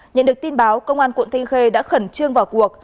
nhận được tin báo công an quận thanh khê đã khẩn trương vào cuộc